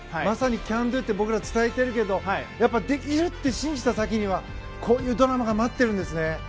まさにＣＡＮＤＯって僕らは伝えているけどできるって信じた先にはこういうドラマが待っているんですね。